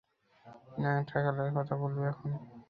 ন্যাংটাকালের কথা বলবি এখন!